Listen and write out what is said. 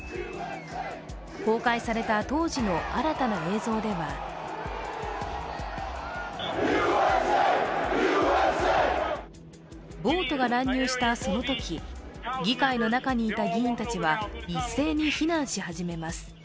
公開された当時の新たな映像では暴徒が乱入したそのとき、議会の中にいた議員たちは一斉に避難し始めます。